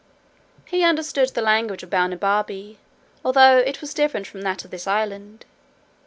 He understood the language of Balnibarbi, although it was different from that of this island.